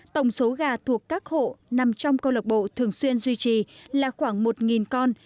tổng số gà thuộc các hộ nằm trong câu lạc bộ thường xuyên duy trì là khoảng một con